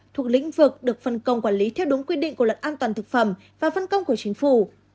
thuộc lĩnh vực được phân công quản lý theo đúng quy định của luật an toàn thực phẩm và phân công của chính phủ